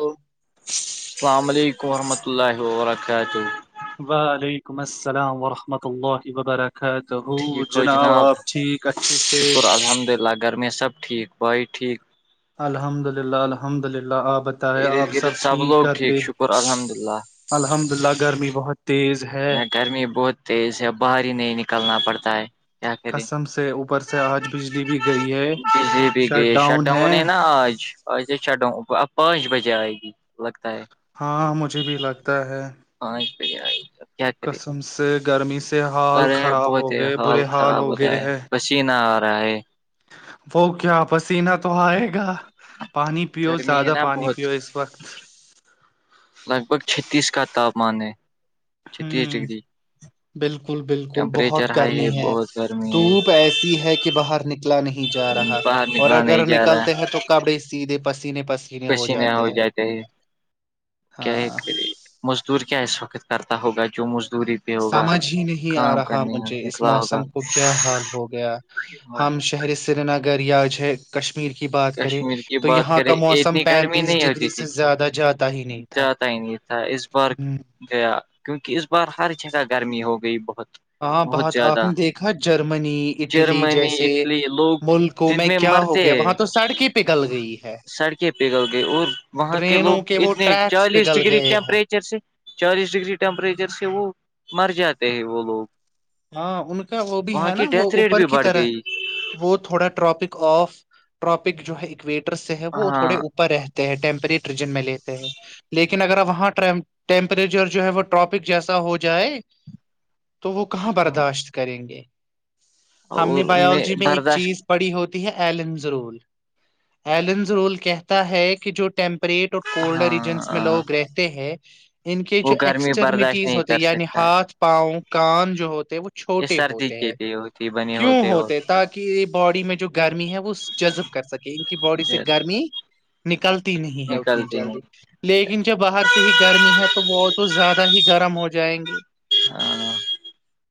او السلام علیکم ورحمۃ اللہ وبرکاتہ وعلیکم السلام ورحمۃ اللہ وبرکاتہ ا تو ہو جناب آپ ٹھیک اچھے سے شکر الحمد للہ گر میں سبٹھیک بھائی ٹھیک الحمد للہ الحمد للہ آپ بتائیں آپ ارد گرد سب ٹھیک لوگ کر پے شکر الحمد للہ الحمد اللہ گرمی بہت تیز ہے گرمی بہت تیز ہے باہر ہی نہیں نکلنا پڑتا ہے کیا کرے قسم سے اوپر سے آج بجلی بھی گئی ہے بجلی پی کےئی شٹ ڈاؤن ہے نا آج آ چڈوں اب پانچ بجے آئے گی لگتا ہے ہاں مجھے بھی لگتا ہے آئیکی آئی کیا کرے قسم سے گرمی سے حال ارے خراب بہت ہو گئے حال برے خراب ہو ہوتا گئے ہے ہیں پسیین آ رہا ہے وہ کیا پسینہ تو آئے گا پانی پیو گرمی ہے زیادہ نا پانی بہت پیو اس وقت لگ بھگ چھتیس کا تاپمان ہے چھتیس ہوں ڈگری بالکل بالکل بہت ٹمپریچر ہائی گرمی ہے بہت گرمی دھوپ ایسی ہے کہ کہ باہر نکلا نہیں جا رہا ہے باہر اور نکلا نہیں اگر جا رہا نکلتے ہیں تو کپڑے سیدھے پسینے پسی کسی نہ ہو جاتا کیا ہے ہاں کر مزدور کیا اس وقت کرتا ہوگا جو مزدوری پہ ہوگا سمجھ ہی نہیں آ کام رہا کرنے مجھے اس نکلا ہوگا موسم کو کیا حال ہو گیا ہم شہری سری نگر یا کشمیر کی بات کریں کشمیر کی تو بات یہاں کریں کا موسم اتنی گرمی پینتیس نہیں ہوتی ڈگری تھی سے زیادہ جاتا ہی نہیں تھا جاتا ہی نہیں تھا اس بار ہوں، گیا کیونکہ اس بار ہر جگہ گرمی ہو گئی بہت ہاں بہت بات آپ زیادہ نے دیکھا جرمنی اٹلی جرمنی جیسے اٹلی لوگ دن میں مرتے ہیں پگل گئی ہے سڑکیں پگل گئے اور وہاں کے لوگ ٹرینوں وہ اتنے ٹریکس چالیس پگھل ڈگری گئے ہیں ٹیمپریچر سے چالیس ڈگری ٹیمپریچر سے وہ مر جاتے ہیں وہ لوگ ہاں ان کا وہ بھی وہاں ہے نا کی وہ ڈیتھ ریٹ اوپر بھی کی بڑھ طرح گئی وہ تھوڑا ٹراپک آف ٹاپک جو ہے اکویٹر سے ہے وہ تھوڑے ہاں ا رہتے ہیں ٹیمپری ریجن میں لیتے ہیں لیکن اگر وہاں ٹیمپریچر جو ہے وہ ٹراپک جیسا ہو جائے تو وہ کہاں برداشت کریں گے ہم نے اور ان بایولوجی میں ایک برداشت چیز پڑی ہوتی ہے ایلنزرول ایلنزرول کہتا ہے کہ جو ٹیمپل پریٹ اور کولڈر ہاں ریجنس میں ہاں لوگ رہتے ہیں ان کے وہ جو گرمی برداشت ایکسٹرمٹیز نہیں ہوتے کر یعنی سکتا ہے ہاتھ پاؤ کان جو ہوتے وہ یہ چھوٹے سردی ہوتے کے ہیں لیے ہوتی بنی کیوں ہوتی اور ہوتے تب تاکہ باڈی میں جو گرمی ہے وہ جذب کر سکے ان کی باڈی سے گرمی نکلتی نہیں ہے اتنی نکلتی نہیں جلدی لیکن جب باہر سے ہی گرمی ہے تو وہ تو زیادہ ہی گرم ہو جائیں گے ہاں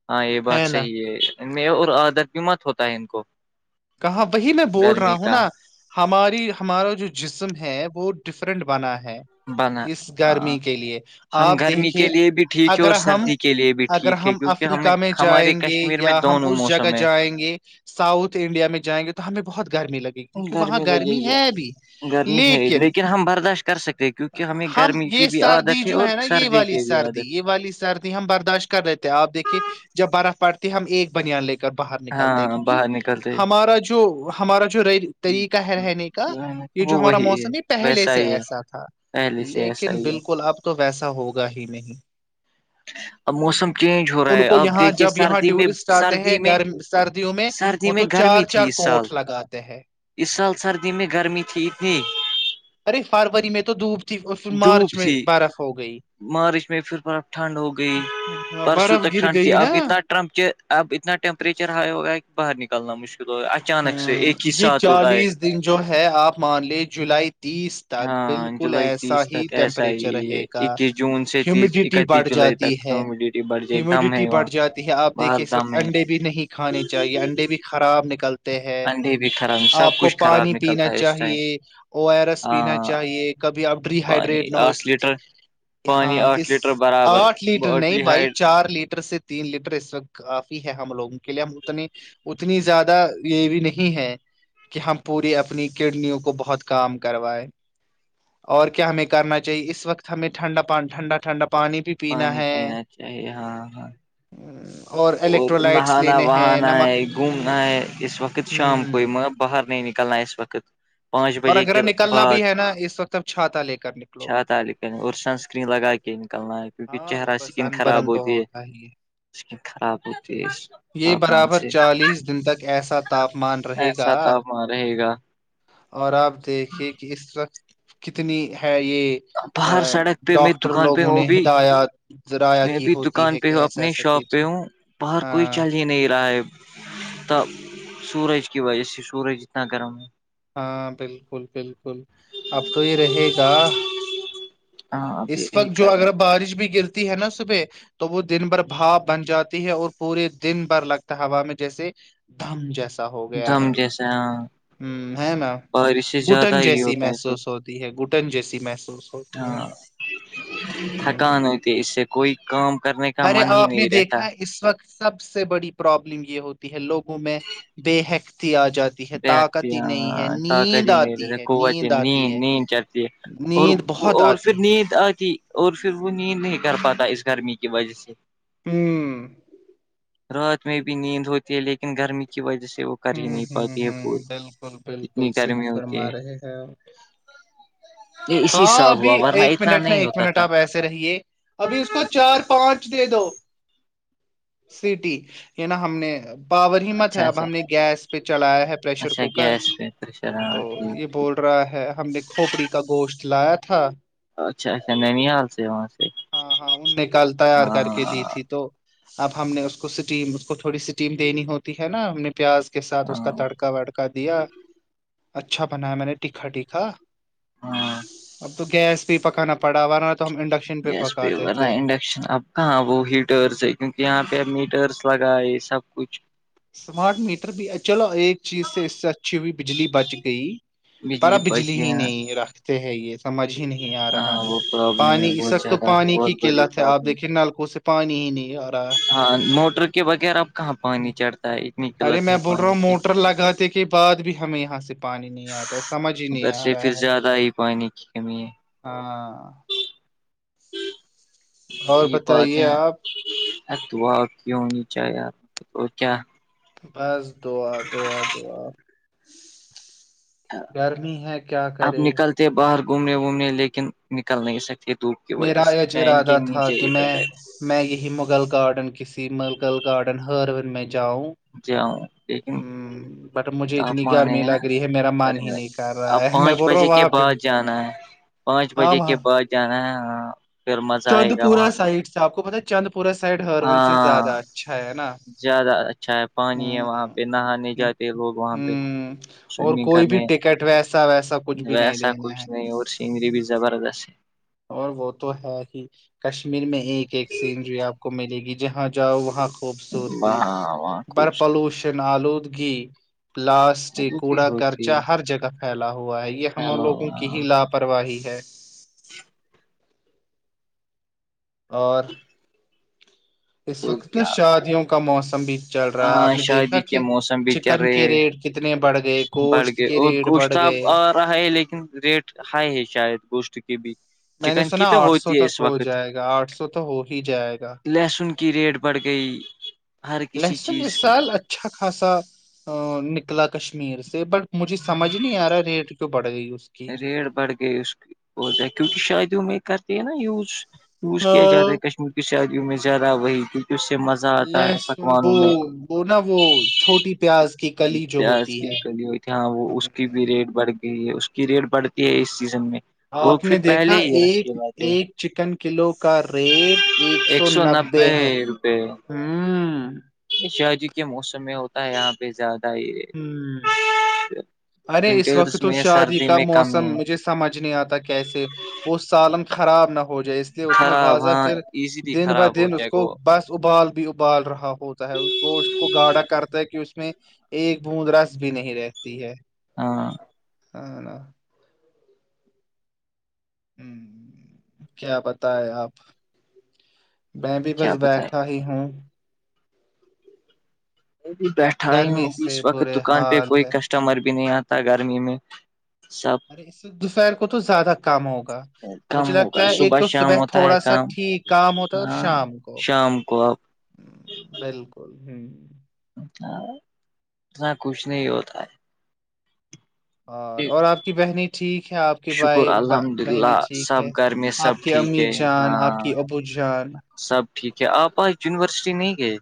ہاں یہ بات ہے نا صحیح ہے ان میں اور عادت بھی مت ہوتا ہے ان کو کہاں وہی میں بول رہا گرمی ہوں کا نا ہماری ہمارا جو جسم ہے وہ ڈفرینٹ بنا ہے بنا اس ہاں گرمی کے لیے ہم آپ گرمی دیکھیے کے لیے بھی ٹھیک ہے اگر اور ہم سردی کے لیے بھی اگر ٹھیک ہے ہم کیونکہ ہمیں افریقہ میں ہمارے جائیں گے کشمیر میں یا ہم دونوں اس جگہ موسم ہے جائیں گے ساؤت انڈیا میں جائیں گے تو ہمیں بہت گرمی لگی کیونکہ وہاں لگے گرمی گی ہے ابھی گرمی ہے لیکن ہم برداشت کر سکتے کیونکہ ہمیں ہم گرمی کی یہ بھی سردی عادت جو اور ہے نا یہ سردی والی کی بھی سردی عادت یہ والی سردی ہم برداشت کر رہے تھے آپ دیکھیے جب برف پڑتی ہے ہم ایک بنان لے کے باہر نکلتے ہیں ہاں کیونکہ باہر نکلتے ہمارا جو ہمارا جو ری طریقہ ہے رہنے کا یہ جو وہ ہمارا وہی ہے موسم یہ پہلے ویسا سے ہی ہے ایسا تھا پہلے سے ایسا لیکن ہی ہے بالکل اب تو ویسا ہوگا ہی نہیں ہچ اب موسم چینج ہو رہا ان ہے کو اب یہاں دیکھیے جب یہاں سردی میں ٹورسٹ آتے ہیں سردی میں گرم سردیوں میں سردی وہ میں تو چار گرمی تھی چار اس کوٹ سال لگاتے ہیں اس سال سردی میں گرمی تھی اتنی ارے فروری میں تو دھوب تھی اور پھر مارچ دھوپ میں تھی برخ ہو گئی مارچ میں پھر بڑا ٹھنڈ ہو گئی ہاں پرسوں برف تک گر ٹھنڈ تھی گئی نا اب اتنا ٹ انا ٹیمپریچر ہائی ہوگا کہ باہر نکلنا مشکل ہوگا اچھا ہ یہ چالیس دن جو ہے آپ مان لیے جولائی تیس تک ہاں بالکل جولائی ایسا تیس ہی تک ایسا ہی ٹمپریچر ہے رہے گا اکیس جون سے تیس ہیومیڈیٹی اکتیس بڑھتی جولائی جاتی تک ہے ہیومیڈیٹی بڑھ جائے دم ہیمیڈیٹی ہے وہاں بڑھ جاتی ہے آپ دیکھیے باہر اس وقت دم ہے انڈے بھی نہیں کھانے چاہیے انڈے بھی خراب نکلتے ہیں انڈے بھی خراب آپ سب کو کچھ خراب پانی نکلتا پینا ہے اس ٹائم چاہیے او ایر ایس پینا ہاں چاہیے کبھی آپ ڈی پانی ہائیڈریٹ نہ آٹھ ہوکتی لیٹر پانی ہاں آٹھ اس لیٹر برابر آٹھ لیٹر نہیں باڈی بھائی ہائڈ چار لیٹر سے تین لیٹر اس وق کافی ہے ہم لوگوں کے لیے ہم اتنی اتنی زیادہ یہ بھی نہیں ہے کہ ہم پوری اپنی کڈنیوں کو بہت کام کروائے اور کیا ہمیں کرنا چاہیے اس وقت ہمیں ٹھنڈا پ ٹھنڈا ٹھنڈا پانی پ پانی پینا چاہیے ہاں ہاں اور الیکٹرولائٹس نہانا لینے ہیں وہانا نمک ہے گھومنا ہے اس وقت شام کوئی ہ م باہر نہیں نکلنا ہے اس وقت پانچ اور بجے اگر کے نکلنا بعد بھی ا ہے نا اس وقت اب چھاتا لے کر نکلو چھا تال اور سنسکرین لگا کے نکلنا ہے کیونکہ ہاں چہرہ وہ تو اسکن آسان خراب برن تو ہوتی ہے ہوتا ہی خراب ہوتی یہ تپ مان برابر سے چالیس دن تک ایسا تاپمان ای رہے گا سا تپ رہے گا اور آپ دیکھیے کہ اس ورقت کتنی ہے یہ ا باہر سڑک پہ میں ڈاکٹر دکان پہ لوگوں ہوں نے بھی ہدایات ذرائع میں کی بھی ہوتی دکان ہے پہ کہ ہوں ایسا اپنی ایسا شاپ کییے پہ ہوں باہر کوئی چل ہی نہیں رہا ہےب ت سورج کی وجہ سے سورج اتنا گرم ہے ہاں بالکل بالکل اب تو یہ رہے گا ہاں اس ابھی وقت جو اگر بارش بھی گرتی ہے نا صبح تو وہ دن بھر بھاؤ بن جاتی ہے اور پورے دن بھر لگتا ہے ہوا میں جیسے دم جیسا ہو گیا ہے ج ہ ہے نا گٹن ہی جیسی ہوتا ہے پھر محسوس ہوتی ہے گٹن جیسی محسوس ہوتی ہے ہاں تھکان ہوں ہوتی اس سے کوئی کام کرنے کا ارے ا من ہی آپ نے نہیں رہتا دیکھا ہے اس وقت سب سے بڑی پرابلم یہ ہوتی ہے لوگوں میں بے حکتی آ جاتی ہے بی آتی طاقت ہی نہیں ہے ہاں نیند تقتیین آتی ہے کتی نیند نین آتی ہے نین چرتی اور نیند بہت اور پھر آتی نیند آتی اور پھر وہ نیند نہیں کر پاتا اس گرمی کی وجہ سے ہ رات میں بھی نیند ہوتی ہے لیکن گرمی کی وجہ سے وہ کر ہی ہوں نہیں ہوں پاتی ہے ہوں پوری بالکل بالکل اتنی صحی گرمی ہوتی فرما ہے رہے ہیں یہ اسی ہاں سال ابھی ہوا ورنہ ایک اتنا منٹ ن نہیں ایک ہوتا منٹ تھا آپ ایسے رہیے ابھی اس کو چار پانچ دے دو سٹی نا ہم نے پاور ہی مت ہے اچھا اب اچھا ہم نے گیس پہ چلایا ہے پریشر اچھا کوکر گیس پہ پریشر تو ہاں یہ ٹھیک ٹھیک بورٹ رہا ہے ہم نے کھوپڑی کا گوشت لایا تھا اچھا اچھا ننیال سے وہاں سے ہاں ہاں ان نے کل تیار کر ہاں کے دی تھی تو اب ہم نے اس کو سٹیم اس کو تھوڑی سٹیم دینی ہوتی ہے نا ہم نے پیاز کے ساتھ اس ہاں کا تڑکا وڑکا دیا اچھا بنایا میں نے تکھا تھا ہاں اب تو گیس بھی پکانا پڑا ورنہ تو ہم انڈک گیس پہ ا کرنا انڈکشن اب ہاں وہ ہیٹرس ہے کیونکہ یہاں پہ اب میٹرس لگا ہے سب کچھ اسمارٹ میٹر بھی چلو ایک چیز سے اس سے اچھی ہوئی بجلی بچ گئی پر آپ بچ بجلی گئے ہی ہیں نہیں رکھتے ہیں یہ سمجھ ہی نہیں آ رہا ہاں ہے وہ پرابلم ہے پانی اس بہت وق تو زیادہ پانی بہت کی بڑی قلت ہے آپ پرابلم دیکھیے نلکوں سے پانی ہی نہیں آ رہا ہے ہاں موٹر کے بغیر اب کہاں پانی چڑتا ہے اتنی غلت ہے پانی کی لگت کے بع بھی ہمیں یہاں سے پانی نہیں آتا ہے سمجھ ہی نہیں ادھر آ سے رہا پھر ہے زیادہ ہی پانی کی کمی ہے ہاں اور یہ بات بتائیے ہے آپ ا دعا کیوں نہیں چاہ یار کیا بس دعا دعا دعا گرمی ہے کیا اب کرے نکلتے باہر گھومنے وومنے لیکن نکل نہیں سکتے دپ میرا یہ ارادہ تھا کہ میں میں یہی مغل گارڈن کسی مغل گارڈن ہرون میں جاؤں جاؤں لیکن ہ بٹ مجھے اتنی تاپمان گرمی نا لگ رہی ہے میرا من ہی گرمی لگی، نہیں کر رہا اب ہے میں پانچ بول رہا بجے ہوں کے وہاں پہ بعد بھی جانا ہے پانچ ہاں بجے کے وہاں بعد جانا ہے پھر مزہ آئے گا وہاں سائٹ سے آپ کو پت ہاں ہے نا زیادہ اچھا ہے پانی ہے ہ وہاں پہ نہانے جاتے لوگ وہاں ہ پہ اور سوئمنگ کوئی بھی کرنے ٹکٹ ویسا ویسا کچھ بھی نہیں ویسا دینا کچھ ہے نہیں اور چگری پیزا براس سے اور وہ تو ہے ہی کشمیر میں ایک ایک سینچری آپ کو ملے گی جہاں جاؤ وہاں ہے خوبصورتی وہاں وہاں بر خوبصورتی پالوشن آلودگی پلاسٹک ہی کوڑا ہوتی کرچا ہے ہر جگہ پھیلا ہوا ہے یہ ہم اللہ، لوگوں کی ہی لابھ پرواہ ہے ج اور اس وقت ن کیا شادیوں کا موسم بھی چل رہا ہے آپ ہاں نے دیکھا شادی کے کہ موسم بھی چل چکن کے رہے ریٹ کتنے بڑھ گئے گوشت کے ریٹ بڑھ گئے ڑا ہے لیکن ریٹ ہائی ہے شاید گوشت کے بھی میں نے چکن کی سنا تو آٹھ سو ہوتی ہے تک اس ہو وقت جائے گا آٹھ سو تو ہو ہی جائے گا لہسن کی ریٹ بڑھ گئی ہر کسی لہسن چیز اس کی سال اچھا خاصہ نکلا کشمیر سے بٹ مجھے سمجھ نہیں آ رہا ریٹ کیوں بڑھ گئی اس کی ریڑ بڑھ گئی اس کی ہو جائے کیونکہ ہاں شاید ہی وہ میں کرتی ہے نا یوز یوز کیا جاتا ہے کشمیر کی شادیوں میں زیادہ وہی کیونکہ اس سے مزہ آتا ہے لہسن پکوانوں وہ میں وہ نا وہ چھوٹی پیاز کی کلی جو پیاز ہوتی کی ہے کلی ہوئی تھی ہاں وہ اس کی بھی ریٹ بڑھ گئی ہے کی ریٹ بڑتی ہے اس سیزن میں وہ آپ نے پھر دیکھا پہلے ہی رکھ ایک کے لاتے ہیں ایک چکن کلو کا ریٹ ایک سو نبے پ رپ ہاں شادی کے موسم میں ہوتا ہے یہاں پہ زیادہ ہی ہوں ریٹ ارے اس وقت تو شادی کا کم موسم ہے مجھے سمجھ نہیں آتا کیسے وہ سالن خراب نہ ہو جائے اس میں خراب فاضا ہاں پھر ایزیلی دن ب خراب ہو دن اس جائے کو گا بس ابال بھی ابال رہا ہوتا ہے اس کو اس کو گاڑا کرتا ہے کہ اس میں ایک بوند رس بھی نہیں رہتی ہے ہاں ا ن ہ کیا بتائے آپ میں بھی بس کیا پتا ہے بیٹھا ہی ہوں میں بھی بیٹھا ہی ہوں گرمی ا بھی اس سے وقت برے دکان پہ حال کوئی ہے ک کسٹمر بھی نہیں آتا گرمی میں سب ارے اس سے دوپہر کو تو زیادہ کم ہوگا مجھے کم لگتا ہوگا ہے ایک تو شام صبح ہوتا ہے تھوڑا سا کام ٹھیک کام ہوتا ہے اور ہاں شام کو شام کو اب بالکل ہ ا اتنا کچھ نہیں ہوتا ہے اور اور آپ کی بہنی ٹھیک ہے آپ کے شکر بھائی الحمد بہنی للہ ٹھیک ہے سب گھر میں آپ آپ سب کی ٹھیک امی ہے جان آپ ہاں کی ابو جان سب ٹھیک ہے آپ آ یونیورسٹی نہیں گئے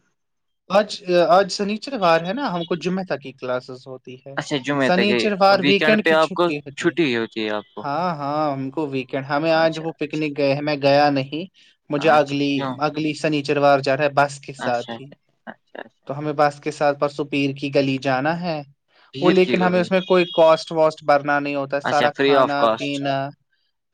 آج آج سنیچروار ہے نا ہم کو جمعہ تک کی کلاسز ہوتی ہے اچھا جمعے تک ہے سنیچروار ویکینڈ پہ کی آپ کو چھٹی ہوتی ہے چھٹی ہوتی ہے آپ کو ہاں ہاں ہم کو ویک کہ ہمیں آج اچھا وہ اچھا پکنک گئے ہیں میں گیا نہیں مجھے اچھا اگلی کیوں اگلی شنیچروار جا رہا ہے بس کے اچھا ساتھ ہی اچھا اچھا اچھا تو ہمیں بس کے سات ب سپیر کی گلی جانا ہے وہ بھیڑ کی لیکن ہمیں گلی اس میں کوئی کوسٹ واسٹ برنا نہیں ہوتا ہے اچھا سارا فری آف کھانا کاسٹ پینا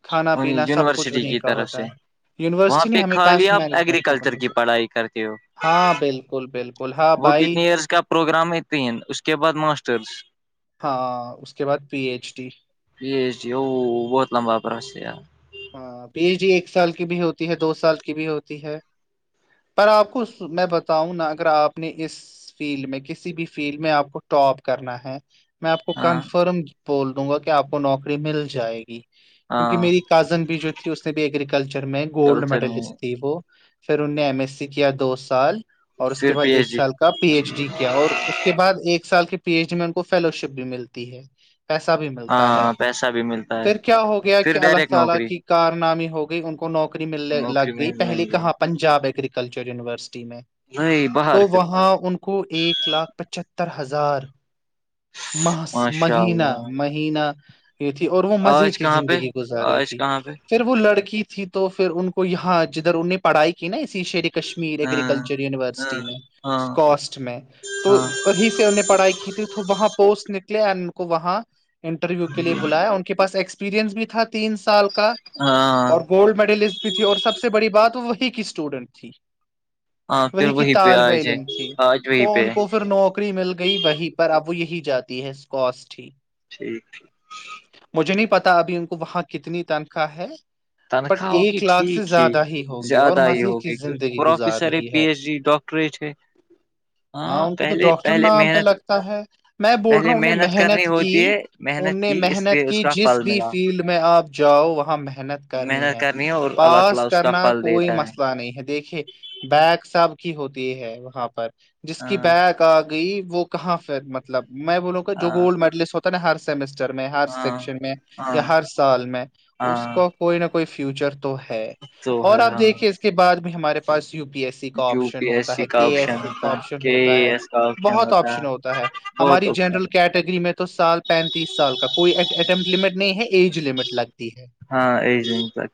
کھانا پینا سب کچھ یونیورسٹی انہیں کی کا طرف سے ہوتا ہے وہاں یونیورسٹی نہیں پہ ہمیں خالی بس آپ مینجمنٹ کے مد ایگریکلچر کی سے پڑھائی کرتے ہو ہاں بالکل بالکل ہاں وہ بھائی کتنی ایئرس کا پروگرام ہے تین اس کے بعد ماسٹرس ہاں اس کے بعد P H D P H D ا بہت لمبا پروس ہاں پی ایچ ڈی ایک سال کی بھی ہوتی ہے دو سال کی بھی ہوتی ہے پر آپ کو میں بتا ہوں نہا اگر آپ نے اس فیلڈ میں کسی بھی فیلڈ میں آپ کو ٹاپ کرنا ہے میں آپ کو ہاں کنفرم بول دوں گا کہ آپ کو نوکری مل جائے گی کیونکہ ہاں میری کازن بھی جو تھی اس نے بھی ایگرییکلچر میں گولڈ کلچر میں میڈلسٹ تھی وہ پھر ان نے ایم ایس سی کیا دو سال اور اس کے پھر بعد پی ایک ایچ ڈی سال کا پی ایچ ڈی کیا اور اس کے بعد ایک سال کے پی ایچ ڈی میں ان کو فیلو شپ بھی ملتی ہے پیسا بھی ملتا ہے ایسا بھی ملتا ہے پھر کیا ہو گیا کہ پھر اللہ ڈائریکٹ تعالا نوکری کی کارنامے ہو گئی ان کو نوکری ملنے نوکری لگ میں گئی لیں پہل گے کہاں پنجاب ایگرییکلچر یونیورسٹی میں نہیں باہر تو پھر وہاں ان کو ایک لاکھ پچہتر ہزار محس ماشاء مہینہ اللہ مہینہ یہ تھی اور وہ مزے آج کی کہاں پہ زندگی گزار رہی آج تھی کہاں پہ پھر وہ لڑکی تھی تو پھر ان کو یہاں جدھر انہوں پڑھائی کی نا اسی شیر کشمیر ہاں ایگریکلچر ہاں ینیورسٹی میں ہاں اسکسٹ میں تو ہاں ہی سے ان نے پڑھائی کی تھی تو وہاں پوسٹ نکل اینڈ ان کو وہاں انٹرویو کے لیے بلایا ان کو کے پاس ایکسپیرئنس بھی تھا تین سال کا ہاں اور گولڈ میڈلسٹ بھی تھی اور سب سے بڑی بات وہ وہی کی اسٹوڈنٹ تھی ہاں پھر وہی کی پہ طالب آج ہے علم تھی آج وہی تو پہ ان ہے، کو پھر نوک نوکری مل گئی وہی پر اب وہ یہی جاتی ہے اسسٹ ہی ٹھیک ٹیک مجھے نہیں پتا ابھی ان کو وہاں کتنی تنخواہ ہے بٹ تنخواہ ہوگی ایک لاکھ سے ٹھیک ہی زیادہ ہوں گی اور زیادہ ہی مزے کی ہوگی کیونکہ زندگی گزار پروفیسر ہے رہی پی ایچ ڈی ڈاکٹر ٹ رہے تھ ہاں ان کو تو ڈاکٹر نام پہ لگتا ہے میں بول رہا پہلے ہوں انہیں محنت کرنی کی ہوتی ہے ان محنت نے کی اس محنت لیے اس کی کا جس پھل بھی ملا فیلڈ میں آپ جاؤ وہاں محنت کرنی محنت ہے اور اللہ پاس تعالی اس کا کرنا پھل کوئی دیتا ہے مسئلہ نہیں ہے دیکھیے بگ سب کی ہوتی ہے وہاں پر جس کی ہاں بگ آ گئی وہ کہاں پھر مطلب میں بولوں گا جو ہاں گولڈ میڈلسٹ ہوتا ہر سمسٹر میں ہر ہاں سیکشن میں ہاں یا ہر سال میں اس ہاں کو کوئی نہ کوئی فیوچر تو ہے تو اور ہے آپ ہاں دیکھیے اس کے بعد بھی ہمارے پاس یو پی ایس س جو ہوتا ہے کے ایس کا آپشن ہوتا ہے بہت آپشن ہوتا ہے بہت ہماری آپشن جنرل کیٹگری میں تو تو سال پینتیس سال کا کوئی اٹمٹ لمٹ نہیں ہے ایج لمٹ لگتی ہے ہاں ای دن تک